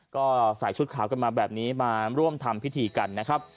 ก็ใส่ชุดขาวกันมาแบบนี้มาร่วมทำพิธีกันนะครับ